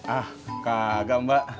ah kagak mbak